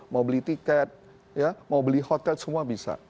mau beli tiket mau beli hotel semua bisa